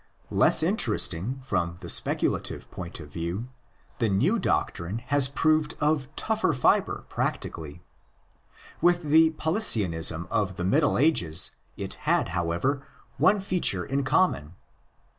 Less interesting from the specu lative point of view, the new doctrine has proved of tougher fibre practically. With the Paulicianism of the Middle Ages it had, however, one feature in common.